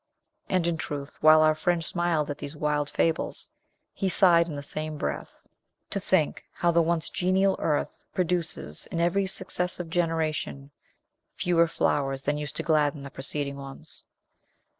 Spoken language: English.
And, in truth, while our friend smiled at these wild fables, he sighed in the same breath to think how the once genial earth produces, in every successive generation, fewer flowers than used to gladden the preceding ones.